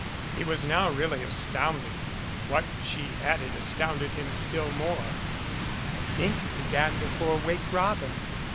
He was now really astounded. What she added as tounded him still more. "I think it began before 'Wake Robin'?"